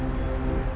saya sudah pulang